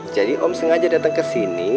jadi om sengaja datang kesini